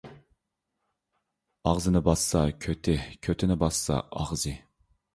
ئاغزىنى باسسا كۆتى، كۆتىنى باسسا ئاغزى.